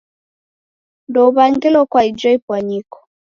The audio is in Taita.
Ndouw'angilo kwa ijo ipwanyiko.